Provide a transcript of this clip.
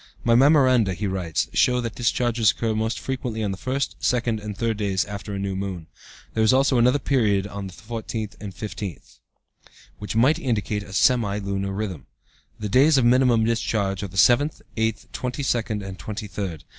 "My memoranda," he writes, "show that discharges occur most frequently on the first, second, and third days after new moon. There is also another period on the fourteenth and fifteenth, which might indicate a semi lunar rhythm. The days of minimum discharge are the seventh, eighth, twenty second, and twenty third."